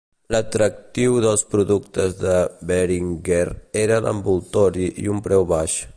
L'atractiu dels productes de Behringer era l'envoltori i un preu baix.